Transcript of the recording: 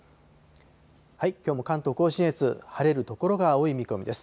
きょうも関東甲信越、晴れる所が多い見込みです。